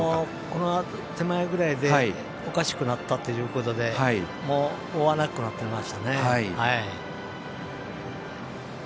この手前ぐらいでおかしくなったということでもう追わなくなってましたね。